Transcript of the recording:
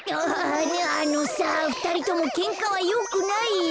あのさふたりともけんかはよくないよ。